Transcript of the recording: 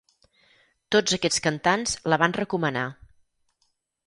Tots aquests cantants la van recomanar.